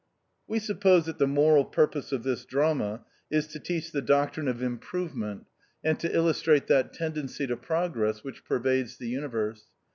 We suppose that the moral purpose of this drama is to teach the doctrine of Im THE OUTCAST. 39 provement, and to illustrate that tendency to Progress which pervades the universe.